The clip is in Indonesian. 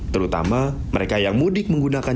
terutama mereka yang mudik menggunakan